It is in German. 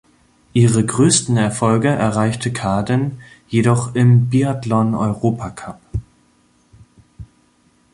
Ihre größten Erfolge erreichte Kaden jedoch im Biathlon-Europacup.